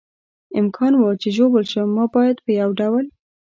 امکان و، چې ژوبل شم، ما باید په یو ډول.